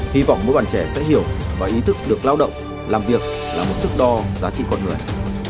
hy vọng mỗi bạn trẻ sẽ hiểu và ý thức được lao động làm việc là một thức đo giá trị con người